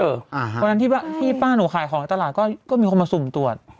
เพราะฉะนั้นที่ป้าหนูขายของในตลาดก็มีคนมาสุ่มตรวจ